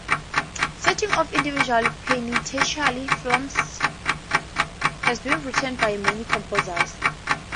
Settings of individual penitential psalms have been written by many composers.